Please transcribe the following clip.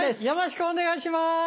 よろしくお願いします。